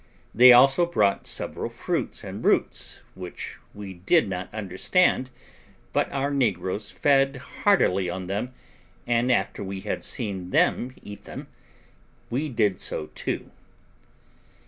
They also brought several fruits and roots, which we did not understand, but our negroes fed heartily on them, and after we had seen them eat them, we did so too.